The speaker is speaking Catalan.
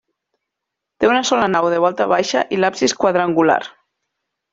Té una sola nau, de volta baixa, i l'absis quadrangular.